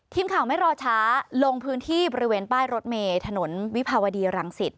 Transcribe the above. ทีมข่าวไม่รอช้าลงพื้นที่บริเวณป้ายรถเมย์ถนนวิภาวดีรังสิต